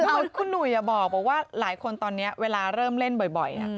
คือคุณหนุ่ยบอกว่าหลายคนตอนนี้เวลาเริ่มเล่นบ่อย